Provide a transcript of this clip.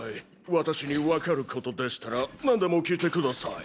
私にわかることでしたらなんでも聞いてください。